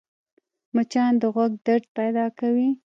مچان د غوږ درد پیدا کوي